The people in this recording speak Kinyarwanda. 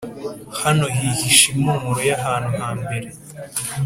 hano hihishe impumuro yahantu hambere,